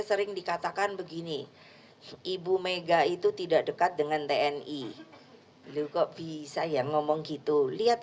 sering dikatakan begini ibu mega itu tidak dekat dengan tni beliau kok bisa ya ngomong gitu lihat